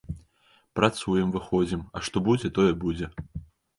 Працуем, выходзім, а што будзе, тое будзе.